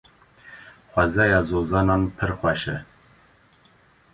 Xwezaya zozanan pir xweş e.